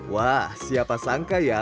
wah siapa sangka ya